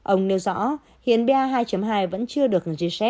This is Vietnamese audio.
ông nêu rõ hiện ba hai hai vẫn chưa được gz